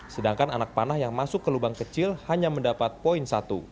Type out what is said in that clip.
sedangkan anak panah yang masuk ke lubang kecil hanya mendapat poin satu